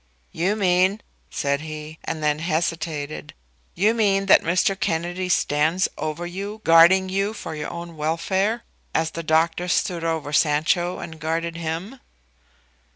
"You mean," said he, and then he hesitated; "you mean that Mr. Kennedy stands over you, guarding you for your own welfare, as the doctor stood over Sancho and guarded him?"